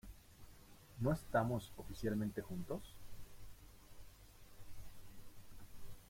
¿ no estamos oficialmente juntos?